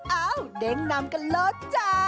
เอ้าเด้งนำกันเลิศจ้า